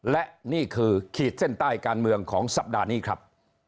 และนี่คือขีดเส้นใต้การเมืองของสัปดาห์นี้ครับ